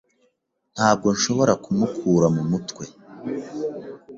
Ntabwo nshobora kumukura mu mutwe.